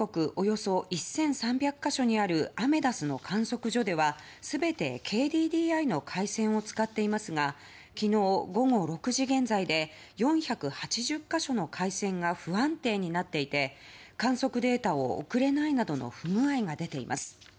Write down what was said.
およそ１３００か所にあるアメダスの観測所では全てＫＤＤＩの回線を使っていますが昨日午後６時現在で４８０か所の回線が不安定になっていて観測データを送れないなどの不具合が出ています。